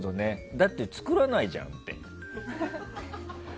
だって作らないじゃんって。